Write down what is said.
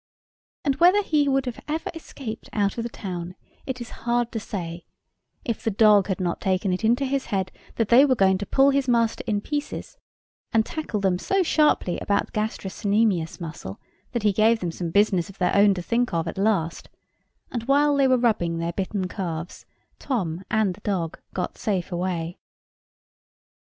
And whether he would have ever escaped out of the town, it is hard to say, if the dog had not taken it into his head that they were going to pull his master in pieces, and tackled them so sharply about the gastrocnemius muscle, that he gave them some business of their own to think of at last; and while they were rubbing their bitten calves, Tom and the dog got safe away.